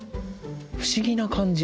不思議な感じ。